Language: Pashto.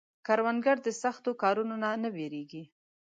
کروندګر د سخت کارونو نه نه وېرېږي